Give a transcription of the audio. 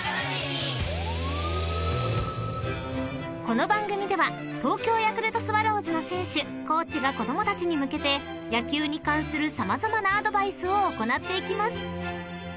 ［この番組では東京ヤクルトスワローズの選手・コーチが子供たちに向けて野球に関する様々なアドバイスを行っていきます］